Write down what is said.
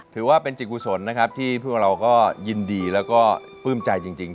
ถือว่าเป็นจิตกุศลนะครับที่พวกเราก็ยินดีแล้วก็ปลื้มใจจริง